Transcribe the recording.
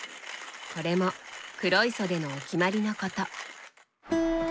これも黒磯でのお決まりのこと。